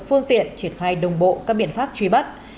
phương tiện triển khai đồng bộ các biện pháp truy bắt